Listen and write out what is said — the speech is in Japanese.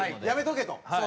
やめとけと。